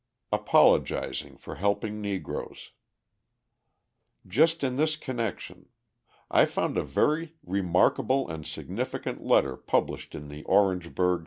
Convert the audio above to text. Apologising for Helping Negroes Just in this connection: I found a very remarkable and significant letter published in the Orangeburg, S.